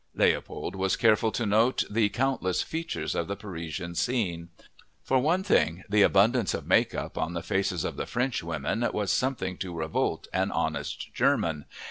Leopold was careful to note the countless features of the Parisian scene. For one thing, the abundance of make up on the faces of the Frenchwomen was something to revolt "an honest German."